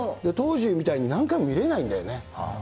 当時みたいに何回も見れないんだよね。